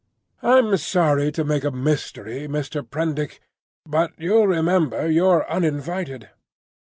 "I'm sorry to make a mystery, Mr. Prendick; but you'll remember you're uninvited.